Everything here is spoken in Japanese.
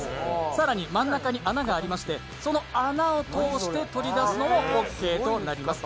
更に真ん中に穴がありましてその穴を通して取り出すのもオッケーとなります。